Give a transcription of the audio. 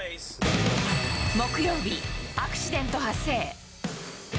木曜日、アクシデント発生。